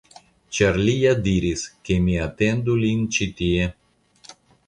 Ĉar li ja diris, ke mi atendu lin ĉi tie.